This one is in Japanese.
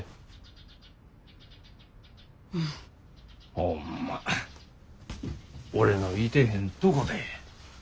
ホンマ俺のいてへんとこで。